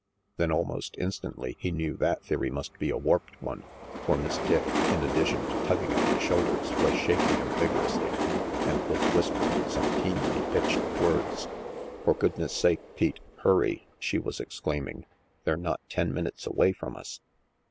Then almost instantly he knew that theory must be a warped one, for Miss Dick, in addition to tug ging at his shoulders, was shaking him vigorously and was whispering some keenly pitched words. * "For goodness' sake, Pete, hurry," she was exclaiming; "they're not ten minutes away from us."